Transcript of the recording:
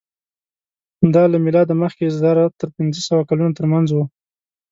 دا له مېلاده مخکې زر تر پینځهسوه کلونو تر منځ وو.